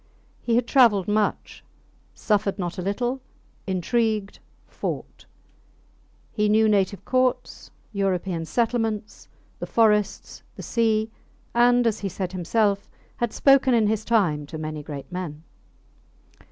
He had travelled much, suffered not a little, intrigued, fought. He knew native Courts, European Settlements, the forests, the sea, and, as he said himself, had spoken in his time to many great men.